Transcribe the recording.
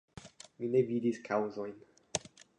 Mi ne vidis kaŭzojn.